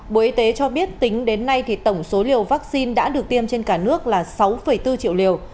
bộ y tế cho biết tính đến nay tổng số liều vaccine đã được tiêm trên cả nước là sáu bốn triệu liều